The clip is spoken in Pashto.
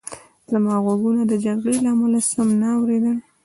زما غوږونو د جګړې له امله سم نه اورېدل